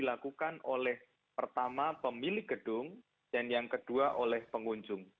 akan kembali sesaat lagi